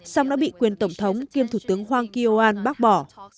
sau đó bị quyền tổng thống kiêm thủ tướng hoàng ki oan bác bỏ